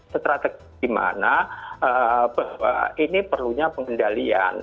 strategi di mana bahwa ini perlunya pengendalian